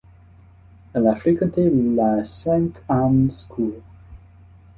Elle a fréquenté la Saint Ann's School.